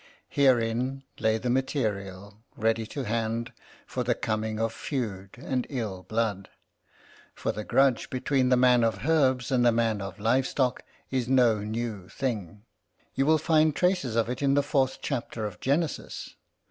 Herein lay the material, ready to hand, for the coming of feud and ill blood. For the grudge between the man of herbs and the man of live stock is no new thing ; you will find traces of it in the fourth chapter of Genesis.